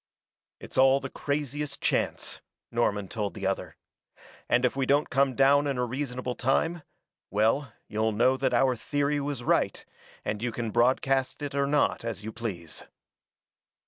"It's all the craziest chance," Norman told the other. "And if we don't come down in a reasonable time well, you'll know that our theory was right, and you can broadcast it or not as you please."